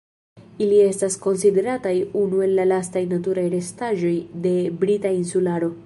Ili estas konsiderataj unu el la lastaj naturaj restaĵoj de Brita Insularo.